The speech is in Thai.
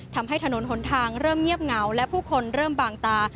ทำให้ถนนหนทางเริ่มเงียบเหงาและผู้คนเริ่มบางตา